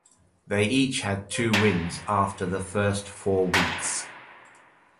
They each had two wins after the first four weeks.